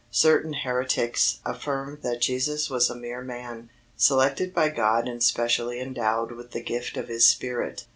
Certain heretics affirmed that Jesus was a mere man, selected by God and specially endowed with the gift of His Spirit.